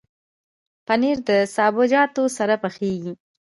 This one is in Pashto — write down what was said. پنېر د سابهجاتو سره پخېږي.